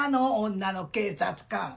女の警察官。